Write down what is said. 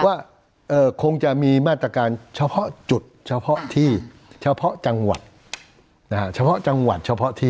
ว่าคงจะมีมาตรการเฉพาะจุดเฉพาะที่เฉพาะจังหวัด